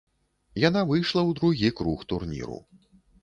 Яна выйшла ў другі круг турніру.